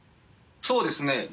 そうですね